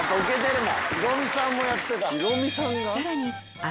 さらにあ。